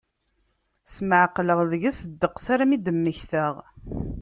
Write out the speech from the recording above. Smeɛqleɣ deg-s ddeqs armi i d-mmektaɣ.